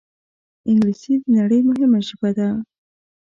انګلیسي د نړۍ مهمه ژبه ده